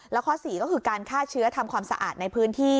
แล้วข้อ๔ก็คือการฆ่าเชื้อทำความสะอาดในพื้นที่